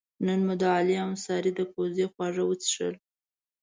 نن مو د علي اوسارې د کوزدې خواږه وڅښل.